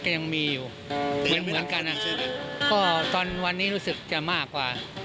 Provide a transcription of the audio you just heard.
ก็ยังมีอยู่เหมือนกันก็ตอนวันนี้รู้สึกจะมากกว่า